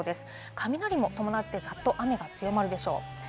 雷を伴ってザッと雨が強まるでしょう。